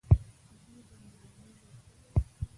دوی د میلمنو ډېر قدر کوي.